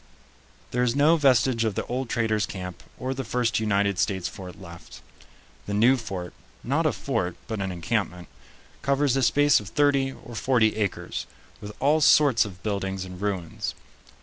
There is no vestige of the old traders' camp or the first United States fort left. The new fort not a fort, but an encampment covers a space of thirty or forty acres, with all sorts of buildings and ruins.